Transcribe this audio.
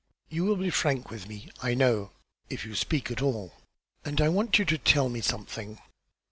You will be frank with me, I know, if you speak at all; and I want you to tell me something."